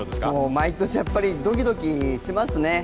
毎年ドキドキしますね。